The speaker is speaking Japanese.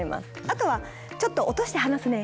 あとはちょっと落として話すねとか。